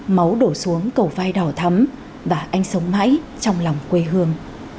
máu đổ xuống cầu vai đỏ thắm và anh sống mãi trong lòng quê hương